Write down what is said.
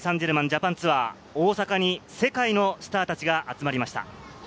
パリ・サンジェルマンジャパンツアー、大阪に世界のスターたちが集まりました。